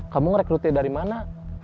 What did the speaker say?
kamu ngerekrutin dari mana